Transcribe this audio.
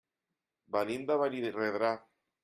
Venim de Benirredrà.